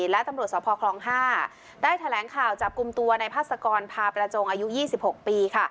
และตำรวจสภคลอง๕ได้แถลงข่าวจับกลุ่มตัวในพาสกรพาประจงอายุ๒๖ปีค่ะ